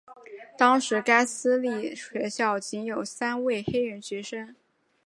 当时该私立学校仅有三位黑人学生。